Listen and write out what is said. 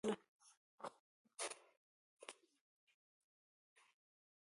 اوسپنې پټلۍ د جوړېدو مخه یې هم نیوله.